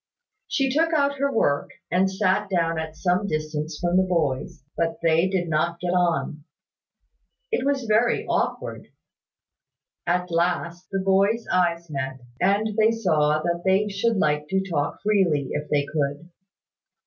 She took out her work, and sat down at some distance from the boys; but they did not get on. It was very awkward. At last, the boys' eyes met, and they saw that they should like to talk freely, if they could.